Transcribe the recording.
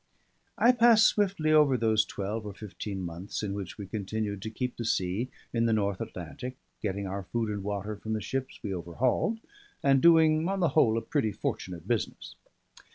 I pass swiftly over those twelve or fifteen months in which we continued to keep the sea in the North Atlantic, getting our food and water from the ships we overhauled, and doing on the whole a pretty fortunate business.